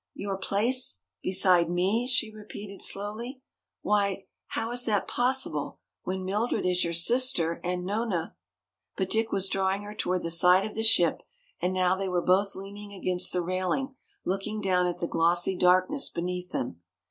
"Your place beside me?" she repeated slowly. "Why, how is that possible when Mildred is your sister and Nona " But Dick was drawing her toward the side of the ship and now they were both leaning against the railing looking down at the glossy darkness beneath them.